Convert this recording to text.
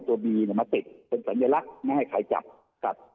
บีเนี่ยมาติดเป็นสัญลักษณ์ไม่ให้ใครจับครับ